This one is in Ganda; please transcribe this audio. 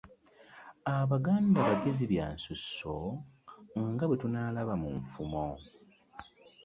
Abaganda bagezi bya nsusso nga bwe tunaalaba mu nfumo.